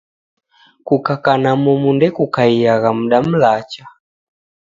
Kukaka na momu nde kukaiagha muda mlacha.